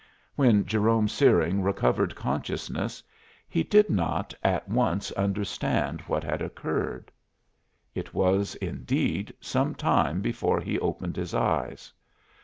When Jerome Searing recovered consciousness he did not at once understand what had occurred. It was, indeed, some time before he opened his eyes.